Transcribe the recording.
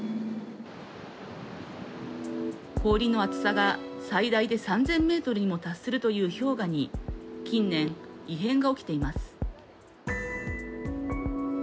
氷の厚さが最大で３０００ｍにも達するという氷河に近年、異変が起きています。